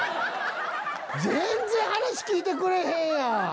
全然話聞いてくれへんやん。